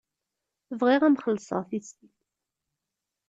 Bɣiɣ ad m-xellṣeɣ tissit.